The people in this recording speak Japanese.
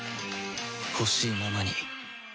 ほしいままに